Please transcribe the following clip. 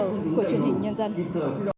hẹn gặp lại các bạn trong những video tiếp theo